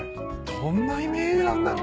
どんなイメージなんだろ？